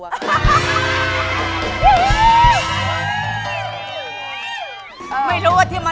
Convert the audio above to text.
เวลา